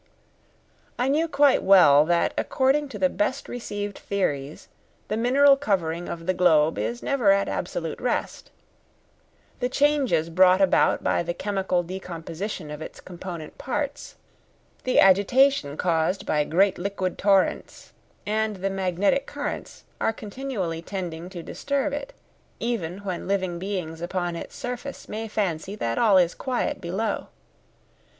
I knew quite well that according to the best received theories the mineral covering of the globe is never at absolute rest; the changes brought about by the chemical decomposition of its component parts, the agitation caused by great liquid torrents, and the magnetic currents, are continually tending to disturb it even when living beings upon its surface may fancy that all is quiet below.